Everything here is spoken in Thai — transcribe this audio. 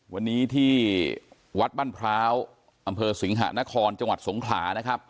วันนี้ที่วัดบ้านพร้าวอำเภอสิงหะนครจังหวัดสงขลานะครับ